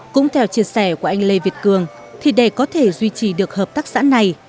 cũng theo chia sẻ của anh lê việt cường thì để có thể duy trì được hợp tác xã này